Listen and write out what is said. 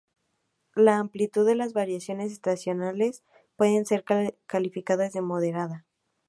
La amplitud de las variaciones estacionales puede ser calificada de moderada.